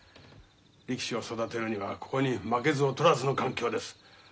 力士を育てるにはここに負けず劣らずの環境です。